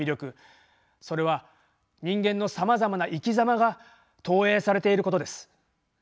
それは人間のさまざまな生きざまが投影されていることです。